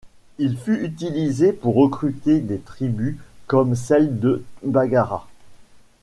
Il fut utilisé pour recruter des tribus comme celle de Baggaras.